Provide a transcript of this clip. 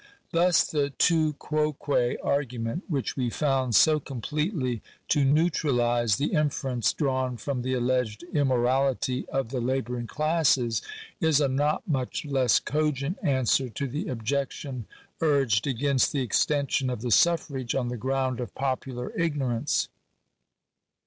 Thus the /// guoque argument, which we found so completely Digitized by VjOOQIC 236 THE CONSTITUTION OF THE STATE. to neutralize the inference drawn from the alleged immorality of the labouring classes, is a not mueh less cogent answer to the objection urged against the extension of the suffrage on the ground of popular ignorance.